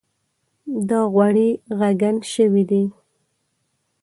دا غوړي ږغن شوي دي.